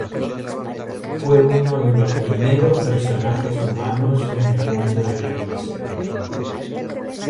Fue uno de los primeros personajes humanos en el mundo de la animación.